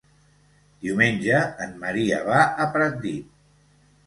Diumenge en Maria va a Pratdip.